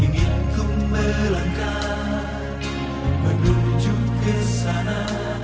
ingin ku melangkah menuju ke sana